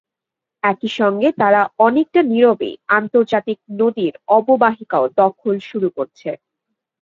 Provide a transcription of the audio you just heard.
একই সঙ্গে তারা অনেকটা নীরবেই আন্তর্জাতিক নদীর অববাহিকাও দখল শুরু করছে।